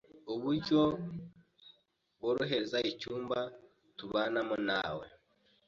Uburyo worohereza icyumba tubanamo nawe